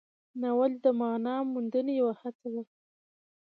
ناول د معنا موندنې یوه هڅه وه.